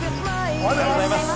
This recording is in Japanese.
おはようございます。